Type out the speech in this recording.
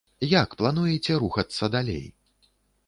Як плануеце рухацца далей?